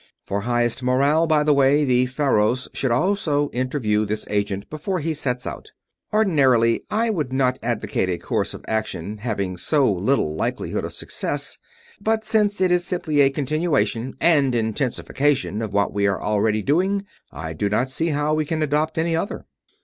For highest morale, by the way, the Faros should also interview this agent before he sets out. Ordinarily I would not advocate a course of action having so little likelihood of success; but since it is simply a continuation and intensification of what we are already doing, I do not see how we can adopt any other."